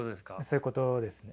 そういうことですね。